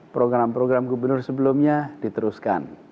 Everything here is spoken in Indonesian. program program gubernur sebelumnya diteruskan